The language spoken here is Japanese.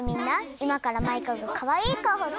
いまからマイカがかわいいかおをするよ！